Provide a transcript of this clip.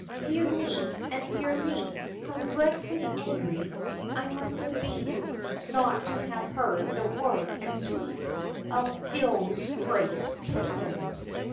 Dear me, and dear me ! how dreadfully angry I must have been not to have heard the whirr and sweep of those great pinions!